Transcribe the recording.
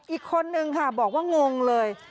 อีกคนนึงค่ะบอกว่างงเลย